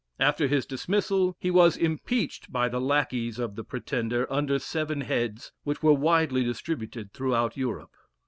After his dismissal he was impeached by the lackeys of the Pretender under seven heads, which were widely distributed throughout Europe.